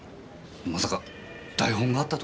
まさか台本があったとか？